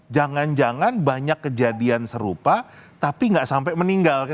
jangan jangan banyak kejadian serupa tapi nggak sampai meninggal